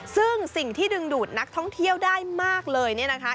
ซึ่งสิ่งที่ดึงดูดนักท่องเที่ยวได้มากเลยเนี่ยนะคะ